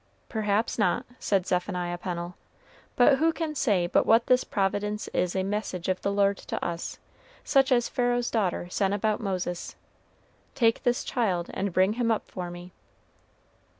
"Perhaps not," said Zephaniah Pennel; "but who can say but what this providence is a message of the Lord to us such as Pharaoh's daughter sent about Moses, 'Take this child, and bring him up for me'?"